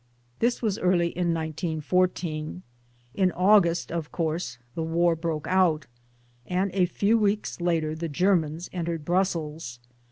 This was early in 1914. In August, of course, the War broke out, and a few weeks later the Germans entered Brussels.